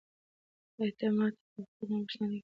آیا ته به ماته خپله نوې بریښنالیک پته راکړې؟